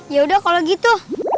yaudah kalau gitu